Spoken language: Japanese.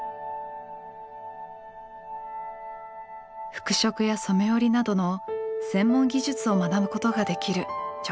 服飾や染織などの専門技術を学ぶことができる女学校でした。